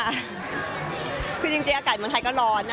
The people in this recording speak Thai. ก็คือพี่ที่อยู่เชียงใหม่พี่อธค่ะ